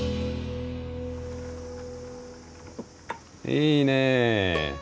いいねえ。